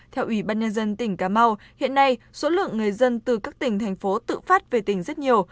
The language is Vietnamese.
theo ủy ban nhân dân tỉnh cà mau hiện nay số lượng người dân từ các tỉnh thành phố tự phát về tỉnh rất nhiều